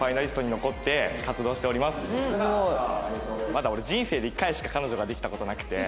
まだ俺人生で１回しか彼女ができた事なくて。